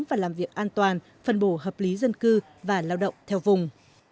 và làm việc an toàn phân bổ hợp lý dân cư và lao động theo vùng